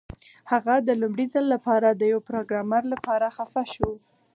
هغه د لومړي ځل لپاره د یو پروګرامر لپاره خفه شو